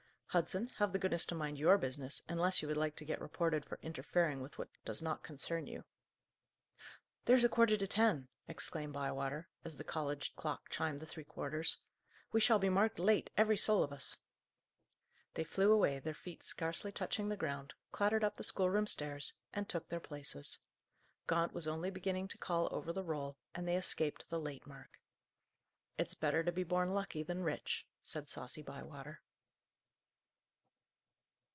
Hudson, have the goodness to mind your business, unless you would like to get reported for interfering with what does not concern you." "There's a quarter to ten!" exclaimed Bywater, as the college clock chimed the three quarters. "We shall be marked late, every soul of us!" They flew away, their feet scarcely touching the ground, clattered up the schoolroom stairs, and took their places. Gaunt was only beginning to call over the roll, and they escaped the "late" mark. "It's better to be born lucky than rich," said saucy Bywater.